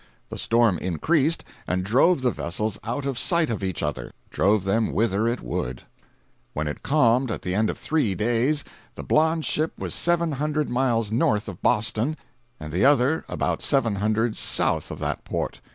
The storm increased and drove the vessels out of sight of each other—drove them whither it would. 366.jpg (83K) When it calmed, at the end of three days, the blonde's ship was seven hundred miles north of Boston and the other about seven hundred south of that port.